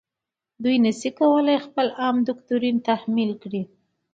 دوی نشي کولای خپل عام دوکتورین تحمیل کړي.